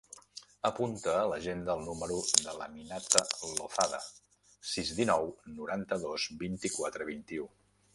Apunta a l'agenda el número de l'Aminata Lozada: sis, dinou, noranta-dos, vint-i-quatre, vint-i-u.